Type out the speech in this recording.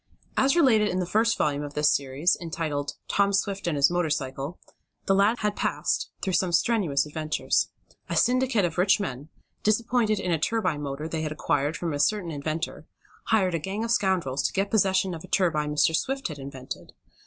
As related in the first volume of this series, entitled "Tom Swift and His Motor Cycle," the lad had passed through some strenuous adventures. A syndicate of rich men, disappointed in a turbine motor they had acquired from a certain inventor, hired a gang of scoundrels to get possession of a turbine Mr. Swift had invented.